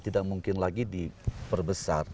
tidak mungkin lagi diperbesar